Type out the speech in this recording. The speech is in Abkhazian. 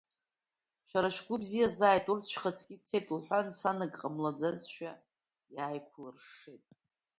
Шәара шәгәы бзиазааит, урҭ шәхаҵкы ицеит, — лҳәан сан ак ҟамлаӡазшәа иааиқәлыршшеит.